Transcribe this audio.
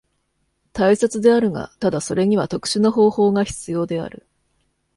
大切であるが、ただそれには特殊な方法が必要である。